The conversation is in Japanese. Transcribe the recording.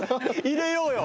入れようよ！